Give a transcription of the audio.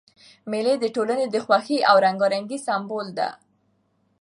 مېله د ټولني د خوښۍ او رنګارنګۍ سېمبول ده.